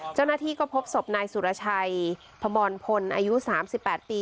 เจ้าหน้าที่ก็พบศพนายสุรชัยพมพลอายุสามสิบแปดปี